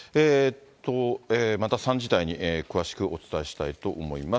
また３時台に詳しくお伝えしたいと思います。